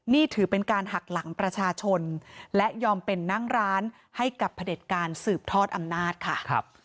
นี่ถือเป็นการหักหลังประชาชนและยอมเป็นนั่งร้านให้กับพระเด็จการสืบทอดอำนาจค่ะ